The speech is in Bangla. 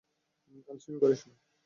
আলসেমি করিস না!